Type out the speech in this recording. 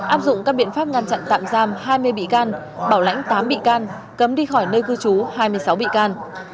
áp dụng các biện pháp ngăn chặn tạm giam hai mươi bị can bảo lãnh tám bị can cấm đi khỏi nơi cư trú hai mươi sáu bị can